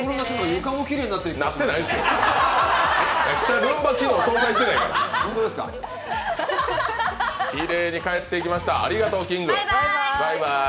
きれいに帰って行きました。